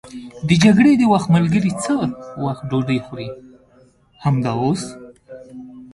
د جګړې د وخت ملګري څه وخت ډوډۍ خوري؟ همدا اوس.